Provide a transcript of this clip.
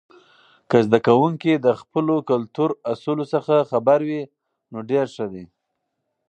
که زده کوونکي د خپلو کلتور اصولو څخه خبر وي، نو ډیر ښه دی.